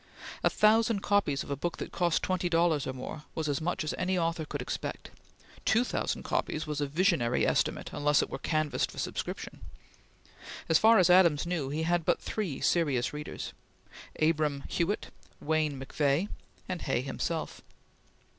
A thousand copies of a book that cost twenty dollars or more was as much as any author could expect; two thousand copies was a visionary estimate unless it were canvassed for subscription. As far as Adams knew, he had but three serious readers Abram Hewitt, Wayne McVeagh, and Hay himself.